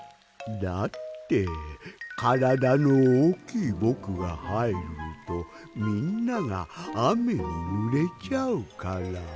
だってからだのおおきいぼくがはいるとみんながあめにぬれちゃうから。